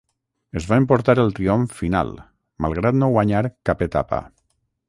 Es va emportar el triomf final, malgrat no guanyar cap etapa.